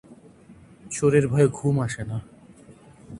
চোরের ভয়ে ঘুম আসে না।